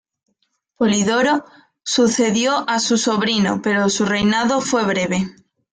Polidoro sucedió a su sobrino, pero su reinado fue breve.